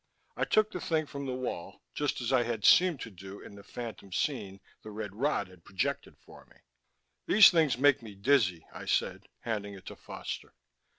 I took the thing from the wall, just as I had seemed to do in the phantom scene the red rod had projected for me. "These things make me dizzy," I said, handing it to Foster.